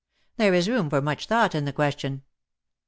There is room for much thought in the question.'